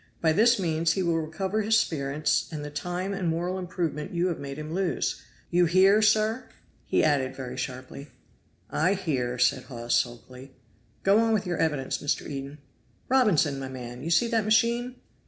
By this means he will recover his spirits and the time and moral improvement you have made him lose. You hear, sir?" added he very sharply. "I hear," said Hawes sulkily. "Go on with your evidence, Mr. Eden." "Robinson, my man, you see that machine?"